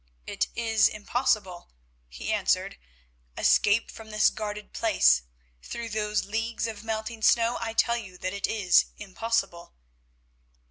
"It is impossible," he answered. "Escape from this guarded place, through those leagues of melting snow? I tell you that it is impossible."